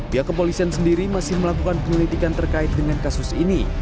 pihak kepolisian sendiri masih melakukan penyelidikan terkait dengan kasus ini